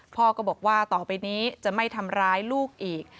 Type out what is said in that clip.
พ่อก็บอกว่าต่อไปนี้จะไม่ทำร้ายลูกอีก